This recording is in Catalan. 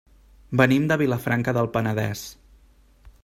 Venim de Vilafranca del Penedès.